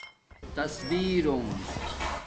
تصبیرݸنݣ